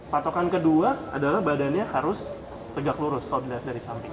patokan kedua adalah badannya harus tegak lurus kalau dilihat dari samping